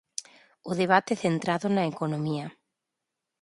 O debate centrado na economía.